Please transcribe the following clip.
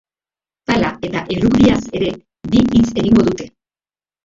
Pala eta errugbiaz ere bi hitz egingo dute.